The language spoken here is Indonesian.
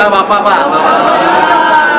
pak pak pak